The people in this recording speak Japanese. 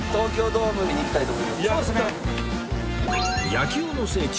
野球の聖地